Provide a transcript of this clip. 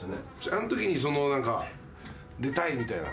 あのときに何か「出たい」みたいな。